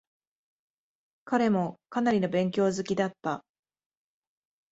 彼もかなりの勉強好きだった。